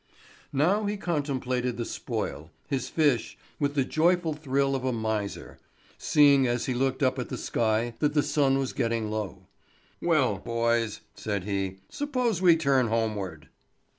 Now he contemplated the spoil—his fish—with the joyful thrill of a miser; seeing as he looked up at the sky that the sun was getting low: "Well, boys," said he, "suppose we turn homeward."